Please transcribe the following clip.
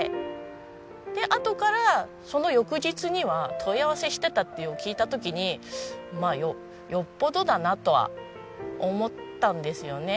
であとからその翌日には問い合わせしてたっていうのを聞いた時によっぽどだなとは思ったんですよね。